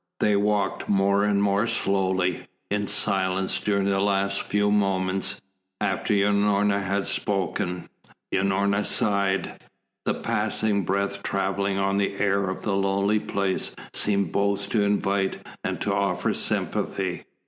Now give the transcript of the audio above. They walked more and more slowly, in silence during the last few moments, after Unorna had spoken. Unorna sighed. The passing breath traveling on the air of the lonely place seemed both to invite and to offer sympathy.